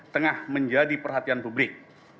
tengah menjadi perhatian publik